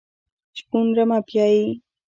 شپون رمه پيایي.